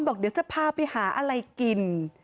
บอกเดี๋ยวจะพาไปหาอะไรกิน